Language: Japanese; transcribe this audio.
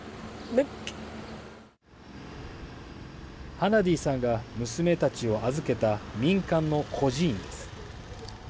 ハナディさんが娘たちを預けた民間の孤児院です。